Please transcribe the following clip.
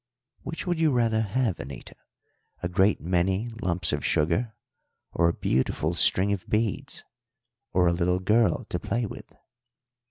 "Which would you rather have, Anita a great many lumps of sugar, or a beautiful string of beads, or a little girl to play with?"